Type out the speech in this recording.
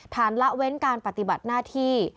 ละเว้นการปฏิบัติหน้าที่